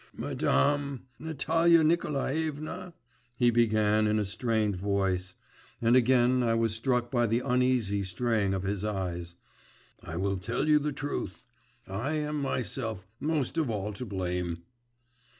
'Madam! Natalia Nikolaevna!' he began, in a strained voice, and again I was struck by the uneasy straying of his eyes; 'I will tell you the truth; I am myself most of all to blame.